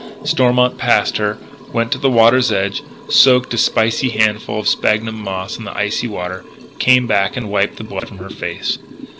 Stormont passed her, went to the water's edge, soaked a spicy handful of sphagnum moss in the icy water, came back and wiped the blood from her face.